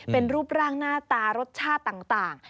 เป็นรูปร่างหน้าตารสชาติต่าง